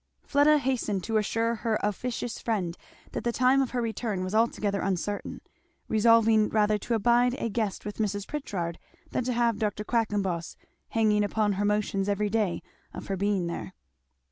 Fleda hastened to assure her officious friend that the time of her return was altogether uncertain; resolving rather to abide a guest with Mrs. Pritchard than to have Dr. Quackenboss hanging upon her motions every day of her being there.